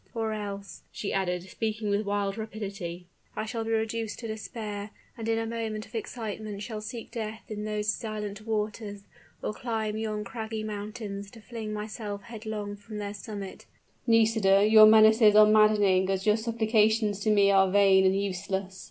Or else," she added, speaking with wild rapidity, "I shall be reduced to despair, and in a moment of excitement shall seek death in those silent waters, or climb yon craggy mountains to fling myself headlong from their summit." "Nisida, your menaces are maddening as your supplications to me are vain and useless!"